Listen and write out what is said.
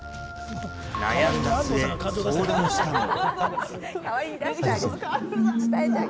悩んだ末、相談したのは。